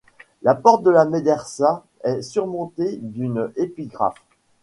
La porte de la médersa est surmontée d'une épigraphe.